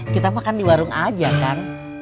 kita makan di warung aja kan